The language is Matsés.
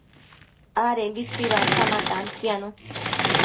adembi chuibanta ma tantianu